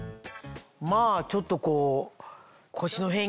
まぁちょっとこう。